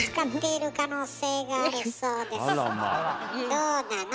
どうなの？